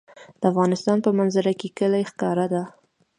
د افغانستان په منظره کې کلي ښکاره ده.